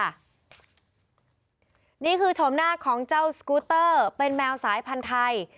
นี่คือชมหน้าของเจ้าสกูเตอร์เป็นแมวสายพันธุ์ไทย